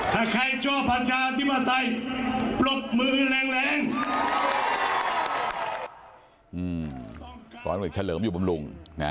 หากใครจบประชาชินปฏิปิสาสม์ปลบมือแหลง